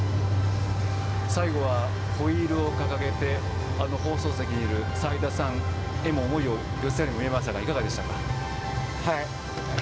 最後は、ホイールを掲げて放送席にいる齋田さんへも思いを寄せたように見えましたがいかがでしたか？